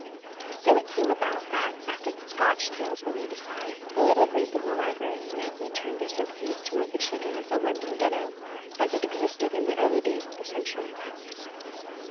So it came about that, after the Scotch tales were laid aside, the little group in the library nightly turned their sympathies toward the children of the London Ghetto, as it existed in the early days of the century.